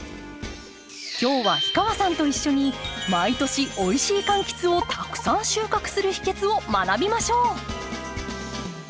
今日は氷川さんと一緒に毎年おいしい柑橘をたくさん収穫する秘けつを学びましょう。